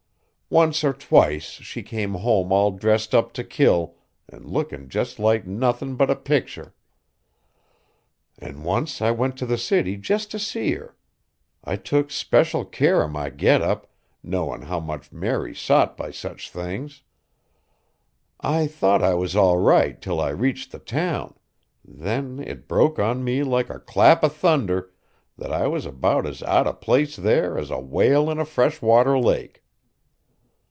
Once or twice she came home all dressed up t' kill, an' lookin' like jest nothin' but a picter. An' once I went t' the city jest t' see her. I took special care o' my get up, knowing how much Mary sot by such things. I thought I was all right till I reached the town; then it broke on me like a clap o' thunder that I was about as out o' place there as a whale in a fresh water lake.